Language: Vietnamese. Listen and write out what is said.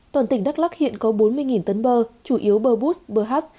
toàn tỉnh đắk lắc hiện có bốn mươi tấn bơ chủ yếu bơ bút bơ hát